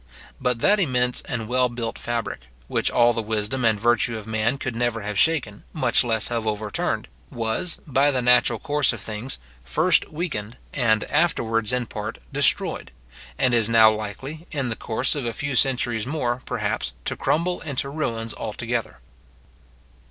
But that immense and well built fabric, which all the wisdom and virtue of man could never have shaken, much less have overturned, was, by the natural course of things, first weakened, and afterwards in part destroyed; and is now likely, in the course of a few centuries more, perhaps, to crumble into ruins altogether.